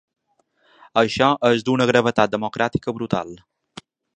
Això és d’una gravetat democràtica brutal.